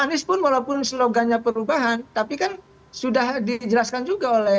anies pun walaupun slogannya perubahan tapi kan sudah dijelaskan juga oleh